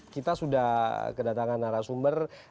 kita sudah kedatangan narasumber